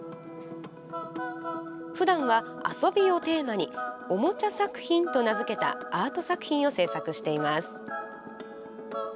ふだんは「遊び」をテーマにおもちゃ作品と名付けたアート作品を制作しています。